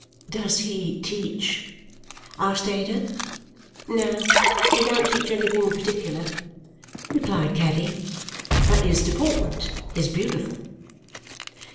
"Does he teach?" asked Ada. "No, he don't teach anything in particular," replied Caddy. "But his deportment is beautiful."